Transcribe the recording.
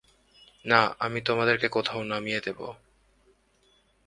না, আমি তোমাদেরকে কোথাও নামিয়ে দেবো।